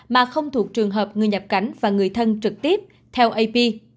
mà không thuộc trường hợp người nhập cảnh và người thân trực tiếp theo ap